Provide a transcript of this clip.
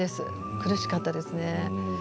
苦しかったですね。